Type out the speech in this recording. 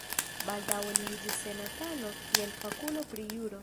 Baldaŭe li iĝis senatano kiel fakulo pri juro.